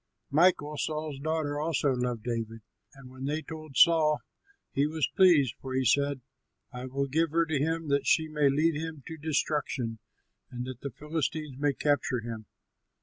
Michal, Saul's daughter, also loved David, and when they told Saul, he was pleased, for he said, "I will give her to him, that she may lead him to destruction and that the Philistines may capture him."